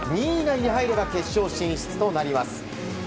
２位以内に入れば決勝進出となります。